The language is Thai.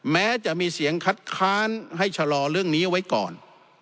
แม้จะมีเสียงคัดค้านให้ชะลอเรื่องนี้ไว้ก่อน